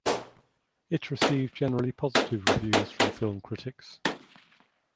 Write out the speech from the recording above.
It received generally positive reviews from film critics.